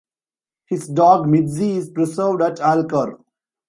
His dog Mitzi is preserved at Alcor.